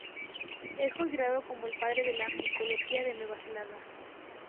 Es considerado como el "padre" de la micología de Nueva Zelanda.